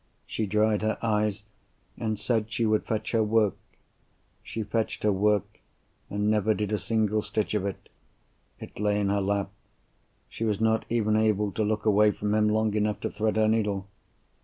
She dried her eyes, and said she would fetch her work. She fetched her work, and never did a single stitch of it. It lay in her lap—she was not even able to look away from him long enough to thread her needle.